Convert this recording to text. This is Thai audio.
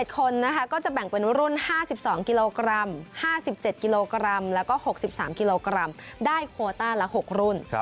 คนนะคะก็จะแบ่งเป็นรุ่น๕๒กิโลกรัม๕๗กิโลกรัมแล้วก็๖๓กิโลกรัมได้โคต้าละ๖รุ่น